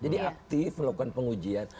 jadi aktif melakukan pengujian